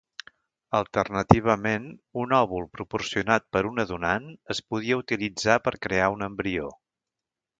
Alternativament, un òvul proporcionat per una donant es podia utilitzar per crear un embrió.